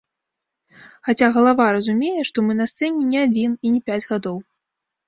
Хаця галава разумее, што мы на сцэне не адзін і не пяць гадоў.